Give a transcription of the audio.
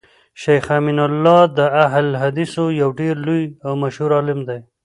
شيخ امین الله د اهل الحديثو يو ډير لوی او مشهور عالم دی